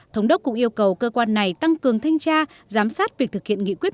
thống đốc cũng yêu cầu cơ quan này tăng cường thanh tra giám sát việc thực hiện nghị quyết một mươi